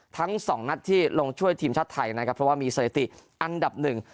ทั้งสองนัดที่ลงช่วยทีมชาติไทยนะครับเพราะว่ามีสถิติอันดับหนึ่ง